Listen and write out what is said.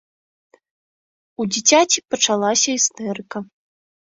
У дзіцяці пачалася істэрыка.